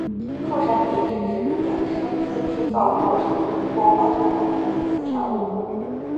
副产品是指衍生自制造过程或化学反应的次产物。